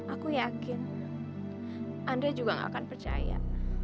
aku yakin andre juga nggak akan percaya